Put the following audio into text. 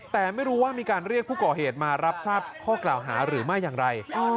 แต่ไม่รู้ว่ามีการเรียกผู้ก่อเหตุมารับทราบข้อกล่าวหาหรือไม่อย่างไร